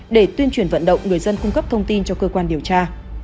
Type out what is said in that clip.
để tuyên truyền vận động người dân cung cấp thông tin cho cơ quan điều tra